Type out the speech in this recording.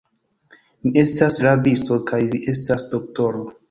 Mi estas rabisto, kaj vi estas doktoro.